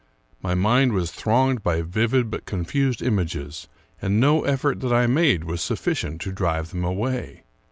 My mind was thronged by vivid but confused images, and no effort that I made vv'as sufficient to drive them away.